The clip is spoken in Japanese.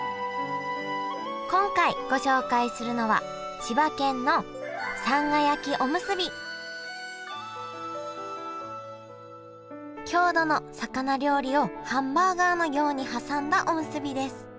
今回ご紹介するのは郷土の魚料理をハンバーガーのように挟んだおむすびです。